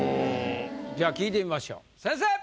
じゃあ聞いてみましょう先生！